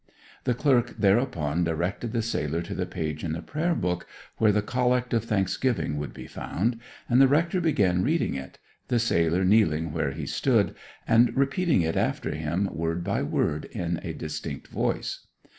The clerk thereupon directed the sailor to the page in the prayer book where the collect of thanksgiving would be found, and the rector began reading it, the sailor kneeling where he stood, and repeating it after him word by word in a distinct voice.